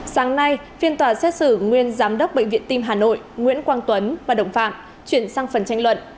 sáng nay phiên tòa xét xử nguyên giám đốc bệnh viện tim hà nội nguyễn quang tuấn và đồng phạm chuyển sang phần tranh luận